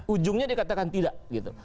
ujungnya dia katakan tidak gitu